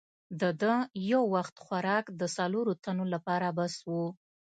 د ده یو وخت خوراک د څلورو تنو لپاره بس وو.